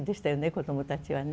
こどもたちはね。